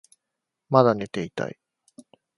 まだ寝ていたい